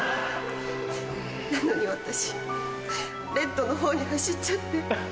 なのに私レッドのほうに走っちゃって。